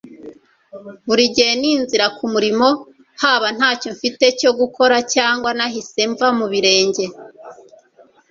Burigihe ni inzira kumurimo - haba ntacyo mfite cyo gukora cyangwa nahise mva mu birenge!